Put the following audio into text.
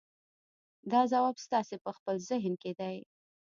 دا ځواب ستاسې په خپل ذهن کې دی.